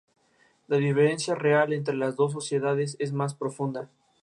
La diferencia real entre las dos sociedades es más profunda.